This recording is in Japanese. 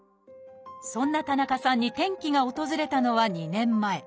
そんな田中さんに転機が訪れたのは２年前。